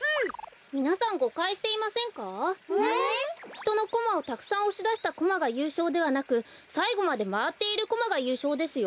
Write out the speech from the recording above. ひとのコマをたくさんおしだしたコマがゆうしょうではなくさいごまでまわっているコマがゆうしょうですよ？